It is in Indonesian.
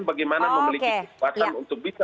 bagaimana memiliki kekuatan untuk bisa